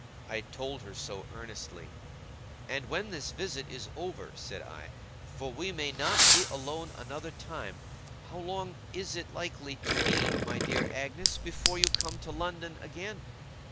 I told her so, earnestly. 'And when this visit is over,' said I, 'for we may not be alone another time, how long is it likely to be, my dear Agnes, before you come to London again?